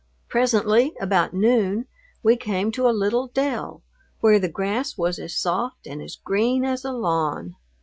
Presently, about noon, we came to a little dell where the grass was as soft and as green as a lawn.